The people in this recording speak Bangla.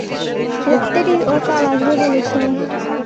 ধ্যাত্তেরি, ও কাল আসবে বলেছিল।